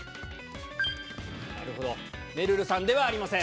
めるるさんではありません。